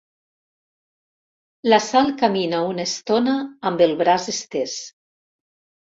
La Sal camina una estona amb el braç estès.